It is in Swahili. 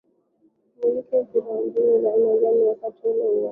Kuumiliki mpira na mbinu za aina yake wakati aikiwa uwanjani